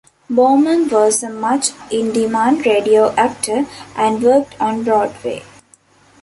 Bowman was a much in demand radio actor, and worked on Broadway.